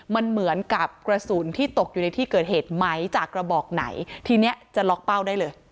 มันเหมือนกับกระสุนที่ตกอยู่ในที่เกิดเหตุไหมจากกระบอกไหนทีเนี้ยจะล็อกเป้าได้เลย